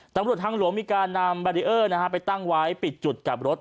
ตำรวจทางหลวงมีการนำแบรีเออร์ไปตั้งไว้ปิดจุดกลับรถ